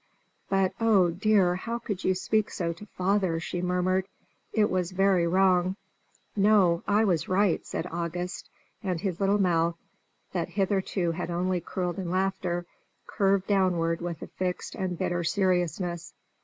"But, oh, dear, how could you speak so to father?" she murmured. "It was very wrong." "No, I was right," said August, and his little mouth, that hitherto had only curled in laughter, curved downward with a fixed and bitter seriousness.